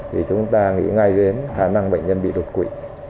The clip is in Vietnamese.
thì chúng ta nghĩ ngay đến khả năng bệnh nhân bị đột quỵ